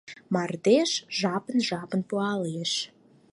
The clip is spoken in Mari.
Мардеж жапын-жапын пуалеш.